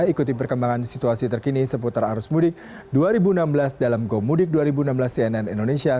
ikuti perkembangan situasi terkini seputar arus mudik dua ribu enam belas dalam gomudik dua ribu enam belas cnn indonesia